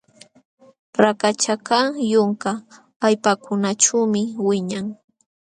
Rakachakaq yunka allpakunaćhuumi wiñan.